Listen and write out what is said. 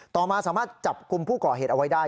ต่อมาสามารถจับกลุ่มผู้ก่อเหตุเอาไว้ได้